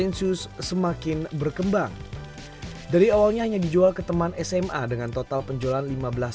setelah enam tahun berjalan bisnis sepatu tiga belas shoes semakin berkembang dari awalnya hanya dijual ke teman sma dengan total penjualan lima belas pasang sepatu per usaha